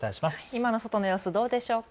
今の外の様子、どうでしょうか。